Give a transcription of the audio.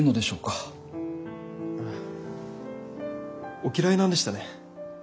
お嫌いなんでしたね。